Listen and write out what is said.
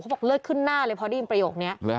บอกเลือดขึ้นหน้าเลยพอได้ยินประโยคนี้